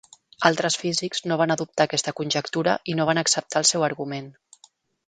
Altres físics no van adoptar aquesta conjectura i no van acceptar el seu argument.